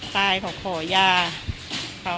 ตายเขาก็อยากติดยอด